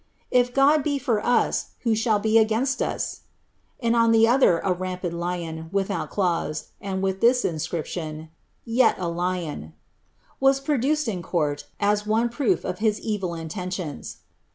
" If God be for uf. "tii' shall be against us .■" and on (he other a rampant lion, without cla'^ and with this inscription, •' Tet a lion," ' was produced in court, as W proof of his evil intentions.